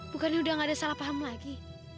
bukannya udah gak ada salah paham lagi